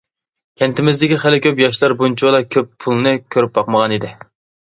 كەنتىمىزدىكى خېلى كۆپ ياشلار بۇنچىلا كۆپ پۇلنى كۆرۈپ باقمىغانىدى.